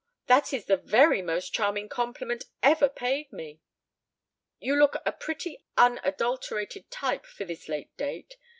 That is the very most charming compliment ever paid me." "You look a pretty unadulterated type for this late date.